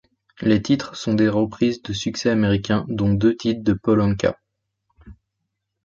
Les titres sont des reprises de succès américains, dont deux titres de Paul Anka.